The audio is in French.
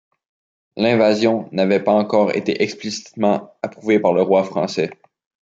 L'invasion n'avait pas encore été explicitement approuvée par le roi français.